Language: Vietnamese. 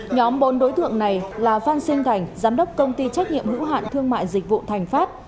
nhóm bốn đối tượng này là phan sinh thành giám đốc công ty trách nhiệm hữu hạn thương mại dịch vụ thành phát